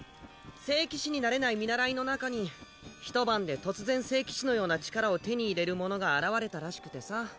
聖騎士になれない見習いの中にひと晩で突然聖騎士のような力を手に入れる者が現れたらしくてさ。